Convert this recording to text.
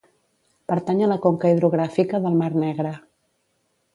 Pertany a la conca hidrogràfica del Mar Negre.